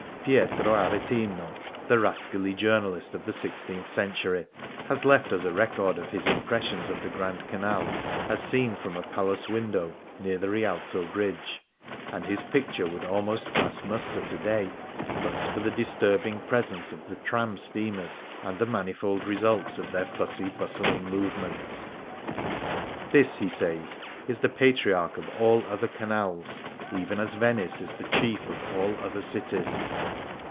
Pietro Aretino, the rascally journalist of the sixteenth century, has left us a record of his impressions of the Grand Canal as seen from a palace window near the Rialto Bridge, and his picture would almost pass muster to day but for the disturbing presence of the " tram " steamers, and the manifold results of their fussy, bustling movements. " This," he says, " is the Patriarch of all other canals, even as Venice is the chief of all other cities.